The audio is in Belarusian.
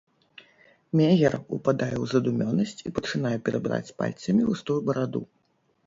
Меер упадае ў задумёнасць і пачынае перабіраць пальцамі густую бараду.